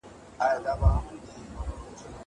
زه به سبا د تکړښت لپاره ځم!